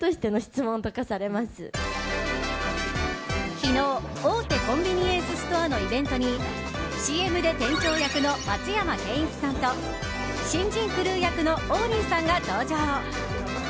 昨日大手コンビニエンスストアのイベントにＣＭで店長役の松山ケンイチさんと新人クルー役の王林さんが登場。